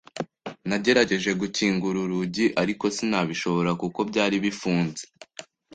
Nagerageje gukingura urugi, ariko sinabishobora kuko byari bifunze.